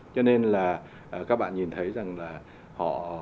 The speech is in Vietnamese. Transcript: cho nên là các bạn nhìn thấy rằng là họ